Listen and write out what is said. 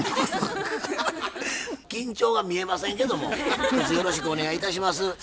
ひとつよろしくお願いいたします。